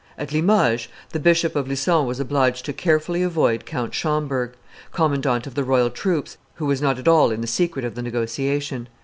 At Limoges the Bishop of Lucon was obliged to carefully avoid Count Schomberg, commandant of the royal troops, who was not at all in the secret of the negotiation.